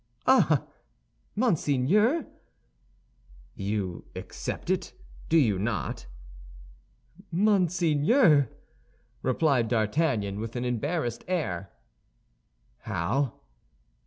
"Ah, monseigneur." "You accept it, do you not?" "Monseigneur," replied D'Artagnan, with an embarrassed air. "How?